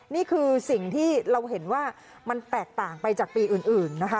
นี่คือสิ่งที่เราเห็นว่ามันแตกต่างไปจากปีอื่นนะคะ